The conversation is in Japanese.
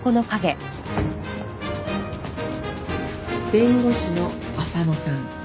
弁護士の浅野さん。